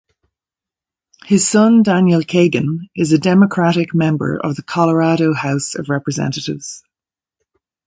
His son Daniel Kagan is a Democratic Member of the Colorado House of Representatives.